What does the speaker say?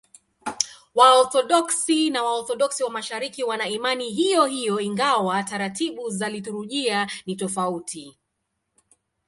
Waorthodoksi na Waorthodoksi wa Mashariki wana imani hiyohiyo, ingawa taratibu za liturujia ni tofauti.